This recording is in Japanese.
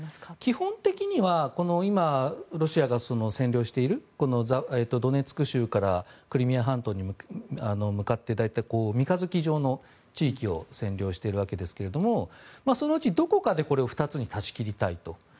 基本的には今、ロシアが占領しているドネツク州からクリミア半島に向かって大体、三日月状の地域を占領しているわけですがそのうちどこかでこれを２つに断ち切りたいと。